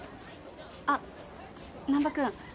あっ難破君。